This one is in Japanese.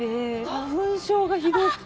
花粉症がひどくて。